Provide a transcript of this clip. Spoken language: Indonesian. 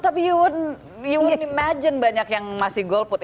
tapi you would imagine banyak yang masih golput